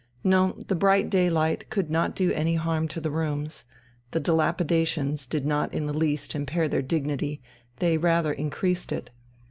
No, the bright daylight could not do any harm to the rooms; the dilapidations did not in the least impair their dignity, they rather increased it.